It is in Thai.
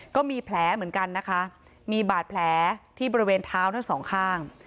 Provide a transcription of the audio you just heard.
ก็มีแผลเหมือนกันนะคะมีบาดแผลที่บริเวณเท้าทั้งสองข้าง